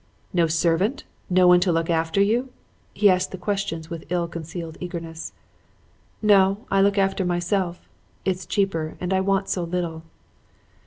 "'No servant! No one to look after you?' he asked the question with ill concealed eagerness. "'No. I look after myself. It's cheaper; and I want so little.'